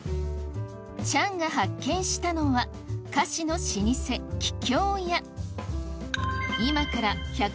チャンが発見したのは菓子の老舗桔梗屋